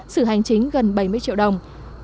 sự hành chính gần bảy mươi triệu đồng